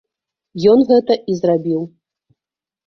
Ён гэта і зрабіў.